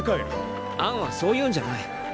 アンはそういうんじゃない。